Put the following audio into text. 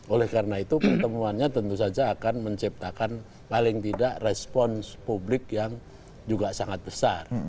oleh karena itu pertemuannya tentu saja akan menciptakan paling tidak respons publik yang juga sangat besar